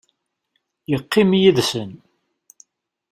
Yeqqim yid-sen.